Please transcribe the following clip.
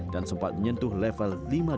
dan sempat menyentuh level lima tiga ratus